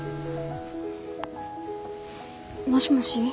もしもし。